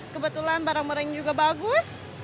kebetulan barang barang yang juga bagus